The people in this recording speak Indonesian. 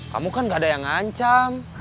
kamu kan gak ada yang ngancam